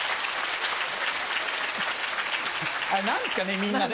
あれ何ですかねみんなね。